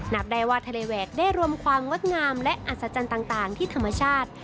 นับได้ว่าทะเลแหวกได้รวมความงดงามและอัศจรรย์ต่างที่ธรรมชาติ